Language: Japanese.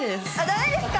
ダメですか？